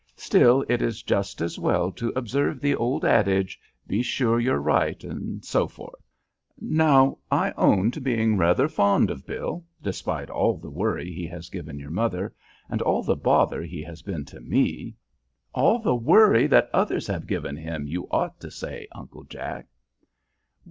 "Still it is just as well to observe the old adage, 'Be sure you're right,' etc. Now I own to being rather fond of Bill, despite all the worry he has given your mother, and all the bother he has been to me " "All the worry that others have given him, you ought to say, Uncle Jack."